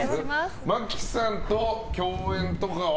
真木さんと共演とかは？